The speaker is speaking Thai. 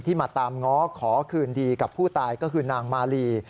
มาตามง้อขอคืนดีกับผู้ตายก็คือนางมาลี